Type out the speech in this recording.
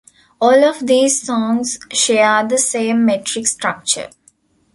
All of these songs share the same metric structure.